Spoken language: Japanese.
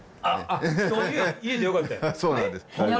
そうなんです。